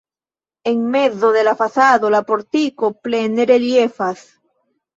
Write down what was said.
En mezo de la fasado la portiko plene reliefas.